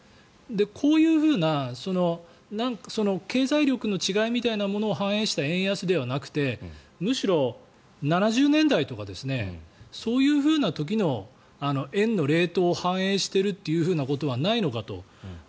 こういうふうな経済力の違いみたいなものを反映した円安ではなくてむしろ７０年代とかそういうふうな時の円のレートを反映しているということはないのかと。